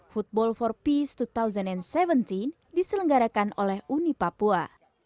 football for peace dua ribu tujuh belas diselenggarakan oleh uni papua